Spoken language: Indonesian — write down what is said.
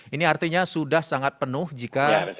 ini artinya sudah sangat penuh jika